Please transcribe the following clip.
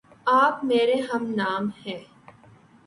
آپ میرے ہم نام ہےـ